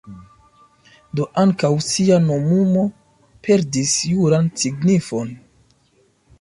Do ankaŭ ŝia nomumo perdis juran signifon.